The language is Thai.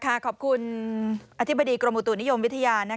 ค่ะเอาล่ะค่ะขอบคุณอธิบดีกรมอุตุนิยมวิทยา